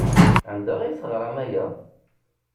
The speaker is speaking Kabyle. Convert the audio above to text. Anda ay teɣram aya?